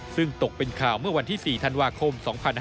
ซึ่งตกเป็นข่าวเมื่อวันที่๔ธันวาคม๒๕๕๙